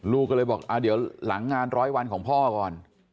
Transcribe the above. ลูกก็เลยบอกเดี๋ยวหลังงานร้อยวันของพ่อก่อน